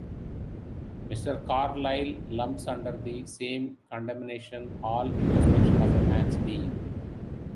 Mr. Carlyle lumps under the same condemnation all introspection of a man's being.